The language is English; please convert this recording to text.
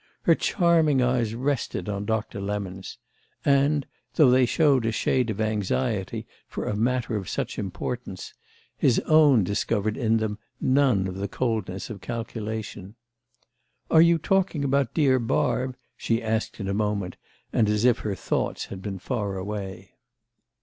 Her charming eyes rested on Doctor Lemon's; and, though they showed a shade of anxiety for a matter of such importance, his own discovered in them none of the coldness of calculation. "Are you talking about dear Barb?" she asked in a moment and as if her thoughts had been far away.